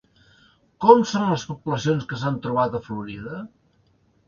Com són les poblacions que s'han trobat a Florida?